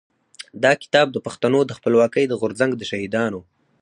دا کتاب د پښتنو د خپلواکۍ د غورځنګ د شهيدانو.